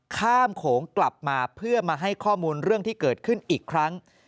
โขงกลับมาเพื่อมาให้ข้อมูลเรื่องที่เกิดขึ้นอีกครั้ง